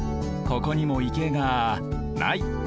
ここにも池がない。